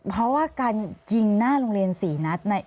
เพราะว่าการยิงหน้าโรงเรียน๔นัด